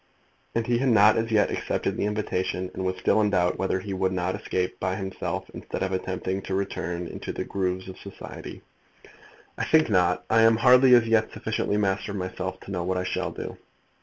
And he had not as yet accepted the invitation, and was still in doubt whether he would not escape by himself instead of attempting to return into the grooves of society. "I think not; I am hardly as yet sufficiently master of myself to know what I shall do."